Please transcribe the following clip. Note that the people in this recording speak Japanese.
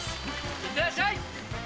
いってらっしゃい。